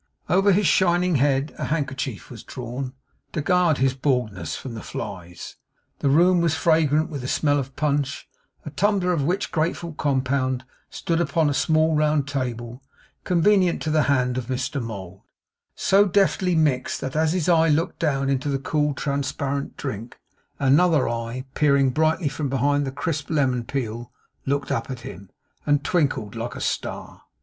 Over his shining head a handkerchief was drawn, to guard his baldness from the flies. The room was fragrant with the smell of punch, a tumbler of which grateful compound stood upon a small round table, convenient to the hand of Mr Mould; so deftly mixed that as his eye looked down into the cool transparent drink, another eye, peering brightly from behind the crisp lemon peel, looked up at him, and twinkled like a star.